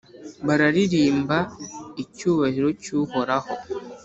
bararirimba icyubahiro cy’Uhoraho,